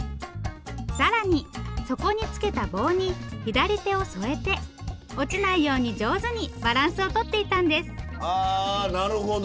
更に底につけた棒に左手を添えて落ちないように上手にバランスをとっていたんですあなるほど！